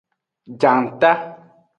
Janta.